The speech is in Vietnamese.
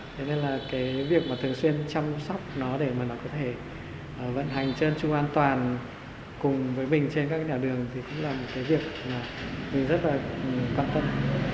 thế nên là cái việc mà thường xuyên chăm sóc nó để mà nó có thể vận hành chân tru an toàn cùng với mình trên các nhà đường thì cũng là một cái việc mà mình rất là quan tâm